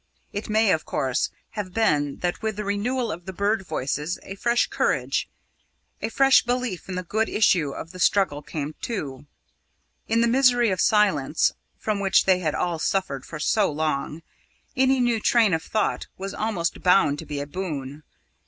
It may, of course, have been that with the renewal of the bird voices a fresh courage, a fresh belief in the good issue of the struggle came too. In the misery of silence, from which they had all suffered for so long, any new train of thought was almost bound to be a boon.